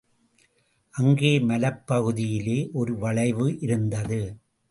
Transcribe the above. அங்கே மலைப்பகுதியிலே ஒரு வளைவு இருந்தது.